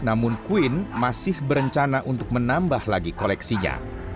namun queen masih berencana untuk menambah lagi koleksinya